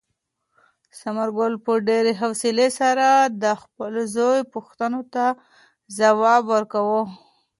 ثمرګل په ډېرې حوصلې سره د خپل زوی پوښتنو ته ځواب ورکاوه.